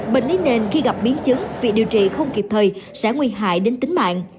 bệnh lý nền khi gặp biến chứng việc điều trị không kịp thời sẽ nguy hại đến tính mạng